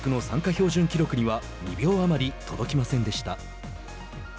標準記録には２秒余り届きませんでした。